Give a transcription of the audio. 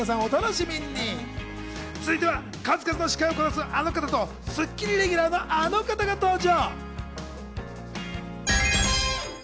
続いては数々の司会をこなすあの方と『スッキリ』レギュラーのあの方が登場。